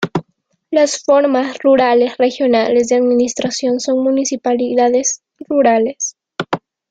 Las formas rurales regionales de administración son municipalidades rurales.